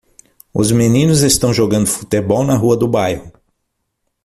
Os meninos estão jogando futebol na rua do bairro.